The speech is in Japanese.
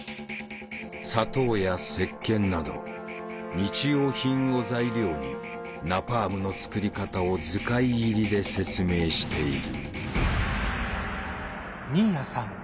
砂糖やせっけんなど日用品を材料にナパームの作り方を図解入りで説明している。